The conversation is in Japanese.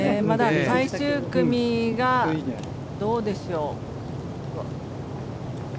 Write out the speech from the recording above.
まだ最終組がどうでしょう。